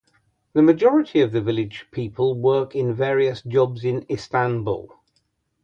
The majority of the village people work in various jobs in Istanbul.